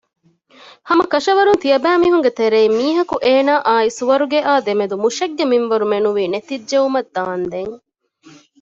ހަމަކަށަވަރުން ތިޔަބައިމީހުންގެ ތެރެއިން މީހަކު އޭނާއާއި ސުވަރުގެއާ ދެމެދު މުށެއްގެ މިންވަރު މެނުވީ ނެތިއްޖައުމަށް ދާންދެން